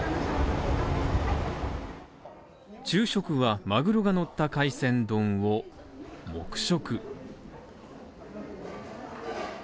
昼食はマグロがのった海鮮丼を黙食。